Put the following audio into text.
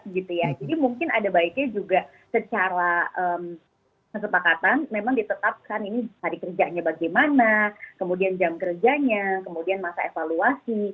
jadi mungkin ada baiknya juga secara kesepakatan memang ditetapkan ini hari kerjanya bagaimana kemudian jam kerjanya kemudian masa evaluasi